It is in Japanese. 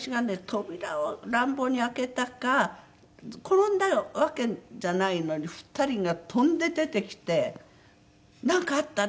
扉を乱暴に開けたか転んだわけじゃないのに２人が飛んで出てきて「なんかあった？